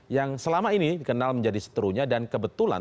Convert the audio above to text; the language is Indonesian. yang selama ini dikenal menjadi seterunya dan kebetulan